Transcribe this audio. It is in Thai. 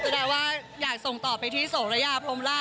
แปลว่าอยากส่งต่อไปที่โสระยาพรมราช